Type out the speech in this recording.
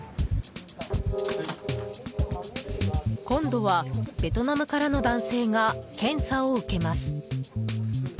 今度はベトナムからの男性が検査を受けます。